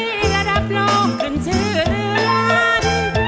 เพื่อรับโลกขึ้นชื่น